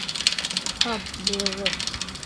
Һаҡ булығыҙ.